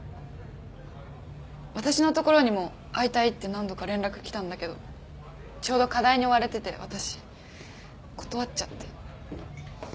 私のところにも会いたいって何度か連絡来たんだけどちょうど課題に追われてて私断っちゃって。